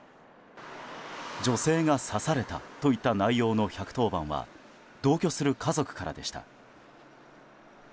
女性が刺されたといった内容の１１０番は同居する家族からでした。